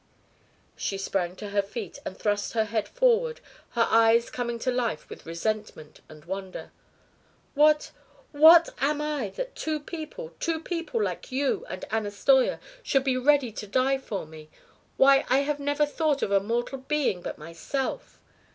She sprang to her feet and thrust her head forward, her eyes coming to life with resentment and wonder. "What what am I that two people two people like you and Anna Steuer should be ready to die for me? Why, I have never thought of a mortal being but myself!